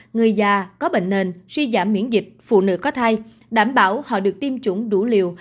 người già có bệnh nền suy giảm miễn dịch phụ nữ có thai đảm bảo họ được tiêm chủng đủ liều